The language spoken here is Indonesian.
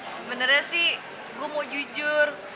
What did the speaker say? sebenarnya sih gue mau jujur